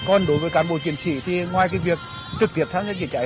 còn đối với cán bộ chuyên sĩ thì ngoài cái việc trực tiếp tham gia chữa cháy